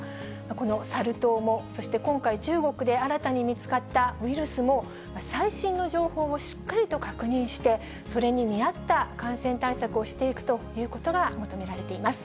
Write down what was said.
このサル痘も、そして今回、中国で新たに見つかったウイルスも、最新の情報をしっかりと確認して、それに見合った感染対策をしていくということが求められています。